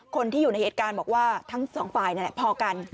คนที่อยู่ในเหตุการณ์บอกว่าทั้งสองฝ่ายนั่นแหละพอกัน